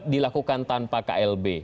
dilakukan tanpa klb